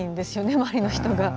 周りの人が。